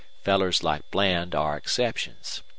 Fellers like Bland are exceptions.